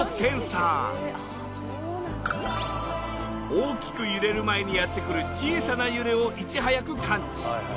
大きく揺れる前にやって来る小さな揺れをいち早く感知。